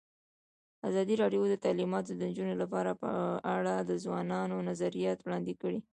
ازادي راډیو د تعلیمات د نجونو لپاره په اړه د ځوانانو نظریات وړاندې کړي.